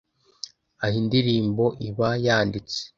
aha indirimbo iba yanditse,